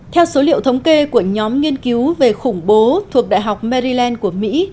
theo số liệu thống kê của nhóm nghiên cứu về khủng bố thuộc đại học meryland của mỹ